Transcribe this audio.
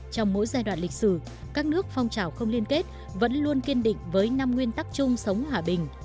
trong mỗi giai đoạn lịch sử các nước phong trào không liên kết vẫn luôn kiên định với năm nguyên tắc chung sống hòa bình